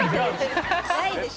ないでしょ。